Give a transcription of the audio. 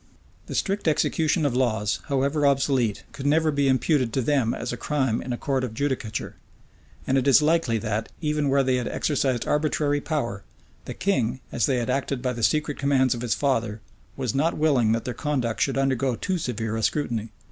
The strict execution of laws, however obsolete, could never be imputed to them as a crime in a court of judicature; and it is likely that, even where they had exercised arbitrary power, the king, as they had acted by the secret commands of his father, was not willing that their conduct should undergo too severe a scrutiny.